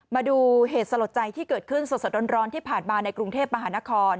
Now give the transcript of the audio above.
มาดูเหตุสลดใจที่เกิดขึ้นสดร้อนที่ผ่านมาในกรุงเทพมหานคร